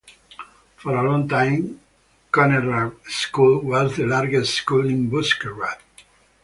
For a long time, Konnerud School was the largest school in Buskerud.